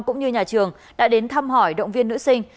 cũng như nhà trường đã đến thăm hỏi động viên nữ sinh